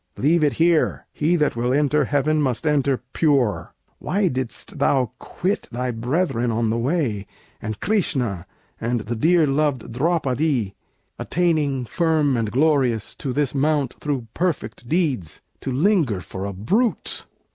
Leave it here! He that will enter heaven must enter pure. Why didst thou quit thy brethren on the way, And Krishna, and the dear loved Draupadí, Attaining, firm and glorious, to this Mount Through perfect deeds, to linger for a brute?